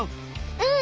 うん。